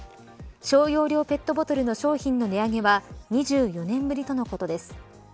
小容量ペットボトルの商品の値上げは２４年ぶりとのことです。